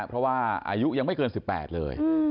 เพราะว่าอายุยังไม่เกิน๑๘เลย